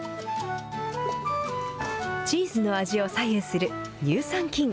チーズの味を左右する乳酸菌。